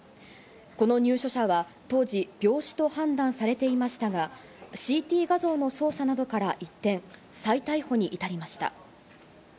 この入所者は当時、病死と判断されていましたが、ＣＴ画像の捜査などから一転、再逮捕に至りました。